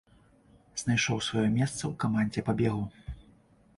Знайшоў сваё месца ў камандзе па бегу.